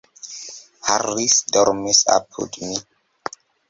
Harris dormis apud mi.